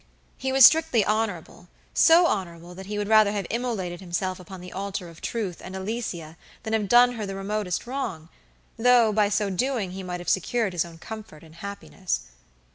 He was strictly honorable, so honorable that he would rather have immolated himself upon the altar of truth and Alicia than have done her the remotest wrong, though by so doing he might have secured his own comfort and happiness.